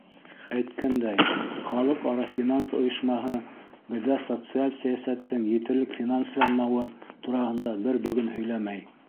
Әйткәндәй, халыҡ-ара финанс ойошмаһы беҙҙә социаль сәйәсәттең етерлек финансланмауы тураһында бер бөгөн һөйләмәй.